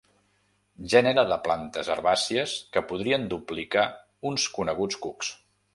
Gènere de plantes herbàcies que podrien duplicar uns coneguts cucs.